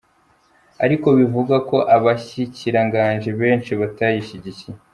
Ariko bivugwa ko abashikiranganji benshi batayashigikiye.